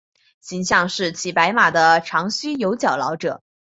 形象是骑白马的长须有角老者。